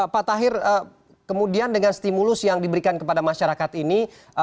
pak tahir kemudian dengan stimulus yang diberikan kepada masyarakat ini